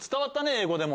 英語でも。